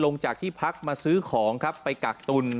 ลงจากที่พักมาซื้อของครับไปกักตุน